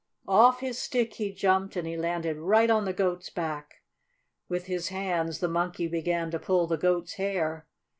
Off his stick he jumped, and he landed right on the Goat's back. With his hands the Monkey began to pull the Goat's hair.